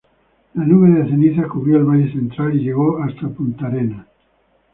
La nube de ceniza cubrió el Valle Central y llegó hasta Puntarenas.